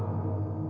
apa yang akan terjadi